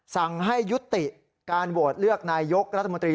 สั่งให้ยุติการโหวตเลือกนายยกรัฐมนตรี